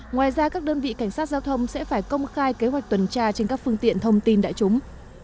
ngoài ra các đơn vị cảnh sát giao thông sẽ phải công khai kế hoạch tuần tra trên các phương tiện thông tin đại chúng